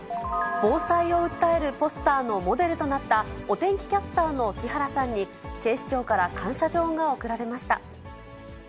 防災を訴えるポスターのモデルとなったお天気キャスターの木原さんに、警視庁から感謝状が贈られました。